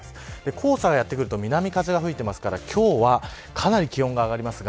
黄砂がやってくると南風が吹くので今日はかなり気温が上がります。